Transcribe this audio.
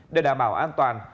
để đảm bảo an toàn